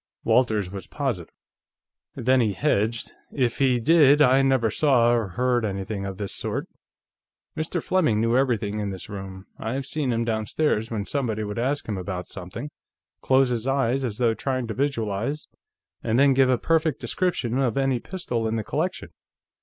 Walters was positive. Then he hedged. "If he did, I never saw or heard of anything of the sort. Mr. Fleming knew everything in this room. I've seen him, downstairs, when somebody would ask him about something, close his eyes as though trying to visualize and then give a perfect description of any pistol in the collection.